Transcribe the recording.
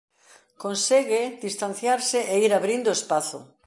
Consegue distanciarse e ir abrindo espazo.